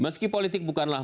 meski politik bukanlah